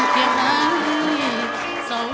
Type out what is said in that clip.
ก้าว